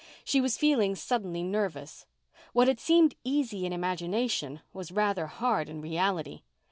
She was feeling suddenly nervous. What had seemed easy in imagination was rather hard in reality.